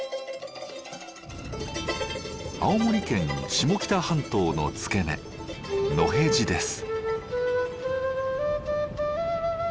青森県下北半島の付け根野辺地です。